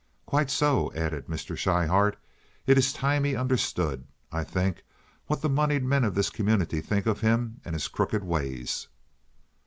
"Quite so," added Mr. Schryhart. "It is time he understood, I think, what the moneyed men of this community think of him and his crooked ways."